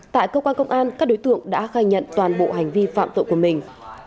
tại cơ quan công an các đối tượng đã khai nhận toàn bộ hành vi phạm tội của mình